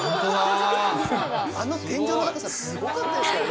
あの天井の高さ、すごかったですからね。